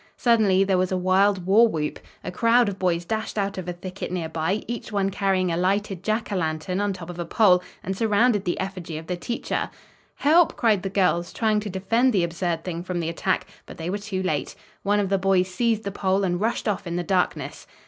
Suddenly, there was a wild war whoop. A crowd of boys dashed out of a thicket near by, each one carrying a lighted Jack o' lantern on top of a pole, and surrounded the effigy of the teacher. "Help!" cried the girls, trying to defend the absurd thing from the attack, but they were too late. One of the boys seized the pole and rushed off in the darkness.